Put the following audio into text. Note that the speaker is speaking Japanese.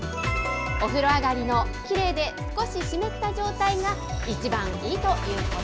お風呂上がりのきれいで少し湿った状態がいちばんいいということ